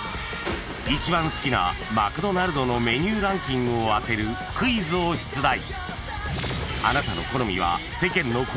［一番好きなマクドナルドのメニューランキングを当てるクイズを出題］